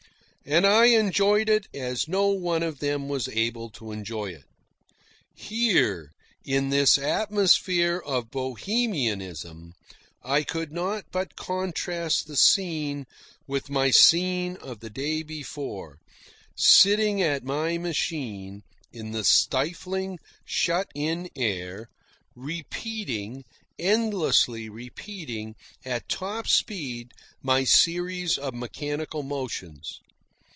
And I enjoyed it as no one of them was able to enjoy it. Here, in this atmosphere of bohemianism, I could not but contrast the scene with my scene of the day before, sitting at my machine, in the stifling, shut in air, repeating, endlessly repeating, at top speed, my series of mechanical motions.